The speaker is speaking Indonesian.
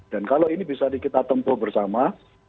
dan kalau ini bisa kita tempuh bersama